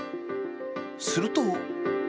すると。